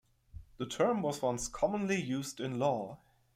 The term was once commonly used in law.